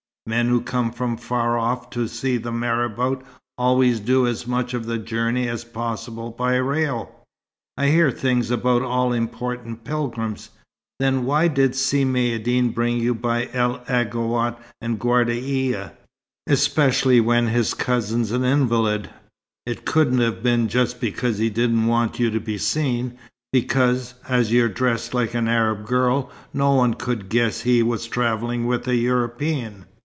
Men who come from far off to see the marabout always do as much of the journey as possible by rail. I hear things about all important pilgrims. Then why did Si Maïeddine bring you by El Aghouat and Ghardaia especially when his cousin's an invalid? It couldn't have been just because he didn't want you to be seen, because, as you're dressed like an Arab girl no one could guess he was travelling with a European."